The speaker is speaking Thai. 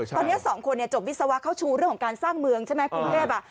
ตอนนี้สองคนจบวิศวะเข้าชูเรื่องของการสร้างเมืองใช่ไหมกรุงเทพ